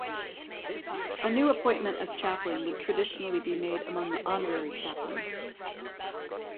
A new appointment as chaplain would traditionally be made among the honorary chaplains.